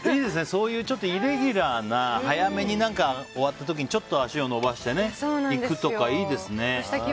そういうイレギュラーな、早めに終わった時にちょっと足を延ばしていくとかいいですね。